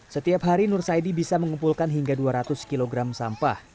setiap hari nur saidi bisa mengumpulkan hingga dua ratus kg sampah